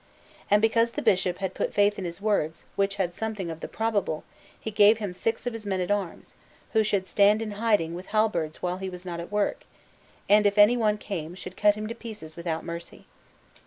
And because the Bishop had put faith in his words, which had something of the probable, he gave him six of his men at arms, who should stand in hiding with halberds while he was not at work, and, if anyone came, should cut him to pieces without mercy.